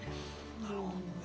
なるほどね。